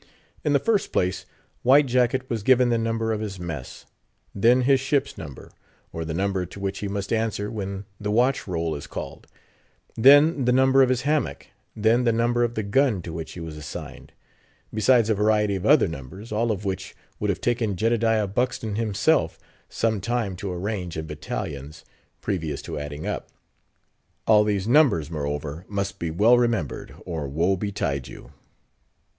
In the first place, White Jacket was given the number of his mess; then, his ship's number, or the number to which he must answer when the watch roll is called; then, the number of his hammock; then, the number of the gun to which he was assigned; besides a variety of other numbers; all of which would have taken Jedediah Buxton himself some time to arrange in battalions, previous to adding up. All these numbers, moreover, must be well remembered, or woe betide you.